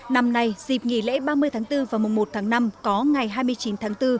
năm nay dịp nghỉ lễ ba mươi tháng bốn và mùng một tháng năm có ngày hai mươi chín tháng bốn